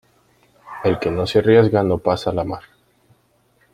El que no se arriesga no pasa la mar.